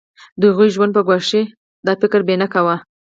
د هغوی ژوند به ګواښي دا فکر به یې نه کاوه.